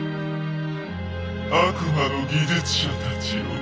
悪魔の技術者たちよ